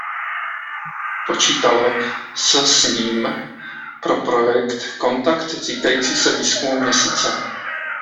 Počítalo s s ním pro projekt Kontakt týkající se výzkumu Měsíce.